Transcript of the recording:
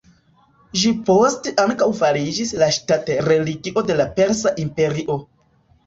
Ĝi poste ankaŭ fariĝis la ŝtat-religio de la Persa imperio.